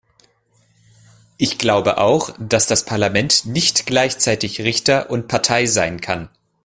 Ich glaube auch, dass das Parlament nicht gleichzeitig Richter und Partei sein kann.